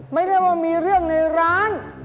ไม่ได้ว่ามีเรื่องในร้าน